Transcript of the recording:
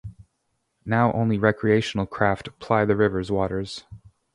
Now only recreational craft ply the river's waters.